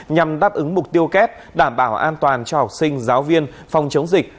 nhằm đáp ứng mục tiêu kép đảm bảo an toàn cho học sinh giáo viên phòng chống dịch